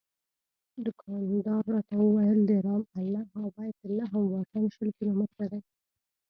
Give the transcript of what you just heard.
دوکاندار راته وویل د رام الله او بیت لحم واټن شل کیلومتره دی.